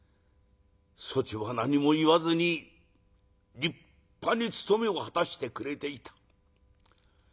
そちは何も言わずに立派に務めを果たしてくれていた。